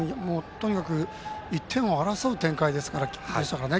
とにかく１点を争う展開でしたからね